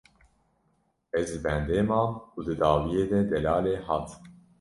Ez li bendê mam û di dawiyê de Delalê hat.